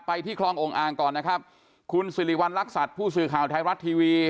ที่คลององค์อ่างก่อนนะครับคุณสิริวัณรักษัตริย์ผู้สื่อข่าวไทยรัฐทีวี